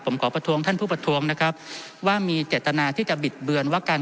ผมขอประท้วงท่านผู้ประท้วงนะครับว่ามีเจตนาที่จะบิดเบือนว่าการ